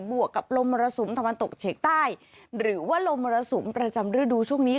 วกกับลมมรสุมตะวันตกเฉียงใต้หรือว่าลมมรสุมประจำฤดูช่วงนี้